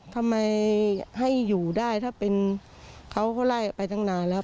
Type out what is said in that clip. ทำไมให้อยู่ได้ถ้าเป็นเขาก็ไล่ไปตั้งนานแล้ว